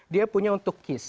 dia punya untuk kis